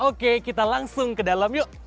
oke kita langsung ke dalam yuk